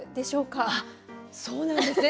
そうなんですね。